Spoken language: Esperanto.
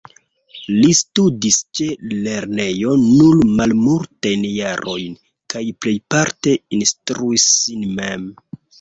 Li studis ĉe lernejo nur malmultajn jarojn, kaj plejparte instruis sin mem.